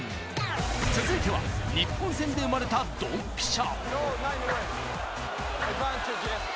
続いては日本戦で生まれたドンピシャ。